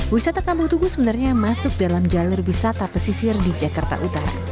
wisata tambu tugu sebenarnya masuk dalam jalur wisata pesisir di jakarta utara